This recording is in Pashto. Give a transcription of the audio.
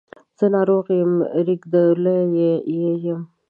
زه ناروغ یم ریږدولی یې یم